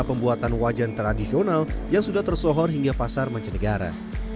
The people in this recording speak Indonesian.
pembuatan wajan tradisional yang sudah tersohor hingga pasar mancanegara